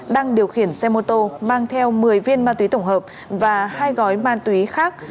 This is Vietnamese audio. đang điều khiển xe mô tô mang theo một mươi viên ma túy tổng hợp và hai gói ma túy khác